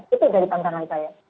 itu dari tanggangan saya